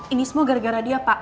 ini semua gara gara dia pak